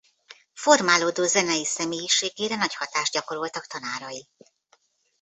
Formálódó zenei személyiségére nagy hatást gyakoroltak tanárai.